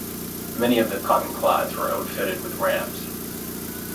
Many of the cottonclads were outfitted with rams.